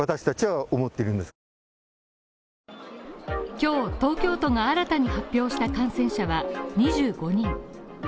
今日東京都が新たに発表した感染者は２５人。